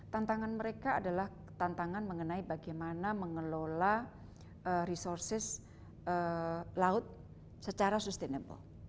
tantangan mereka adalah tantangan mengenai bagaimana mengelola resources laut secara sustainable